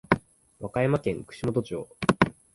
和歌山県串本町